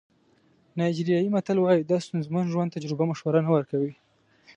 نایجیریایي متل وایي د ستونزمن ژوند تجربه مشوره نه ورکوي.